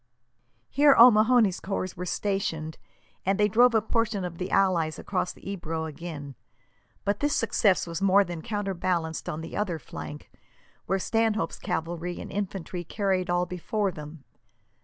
Here O'Mahony's corps were stationed, and they drove a portion of the allies across the Ebro again; but this success was more than counterbalanced on the other flank, where Stanhope's cavalry and infantry carried all before them.